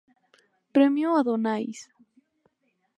Premio Adonáis.